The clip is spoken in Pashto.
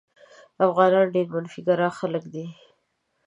افغانان ډېر منفي ګرا خلک دي.